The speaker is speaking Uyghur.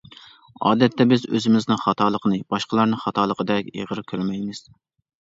ئادەتتە بىز ئۆزىمىزنىڭ خاتالىقىنى باشقىلارنىڭ خاتالىقىدەك ئېغىر كۆرمەيمىز.